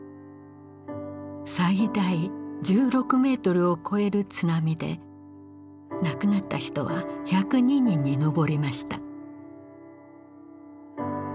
最大１６メートルを超える津波で亡くなった人は１０２人に上りました。